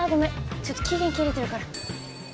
ちょっと期限切れてるから。